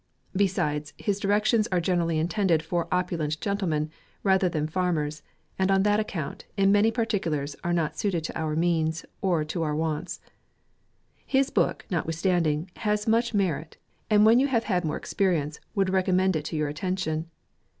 Besides, his directions are generally intended for opulent gentlemen, rather than farmers, and on that account, in many parti culars, are not suited to our means, or our wants. His book, notwithstanding, has much mer it ; and when you have had more experience, would recommend it to your attention.